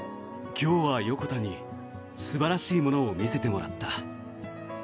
今日は横田に素晴らしいものを見せてもらった。